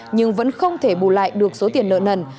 nhưng vẫn không thể bù lại được số tiền nợ nần